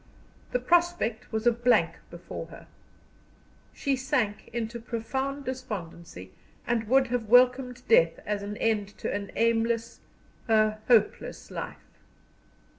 The prospect was a blank before her. She sank into profound despondency, and would have welcomed death as an end to an aimless, a hopeless life.